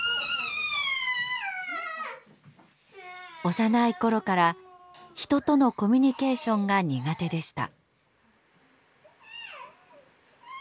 幼い頃から人とのコミュニケーションが苦手でした。